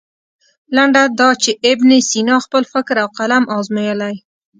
لنډه دا چې ابن سینا خپل فکر او قلم ازمویلی.